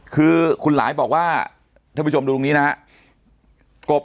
คือคุณหลายบอกว่าท่านผู้ชมดูตรงนี้นะครับ